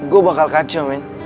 gue bakal kacau man